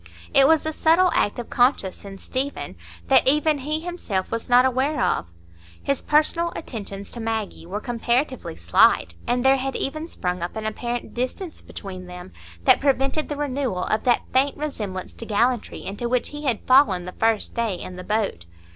It was a subtle act of conscience in Stephen that even he himself was not aware of. His personal attentions to Maggie were comparatively slight, and there had even sprung up an apparent distance between them, that prevented the renewal of that faint resemblance to gallantry into which he had fallen the first day in the boat.